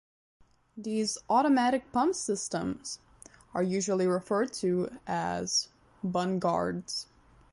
These automatic pump systems are usually referred to as "BundGuards".